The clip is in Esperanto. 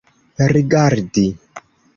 rigardi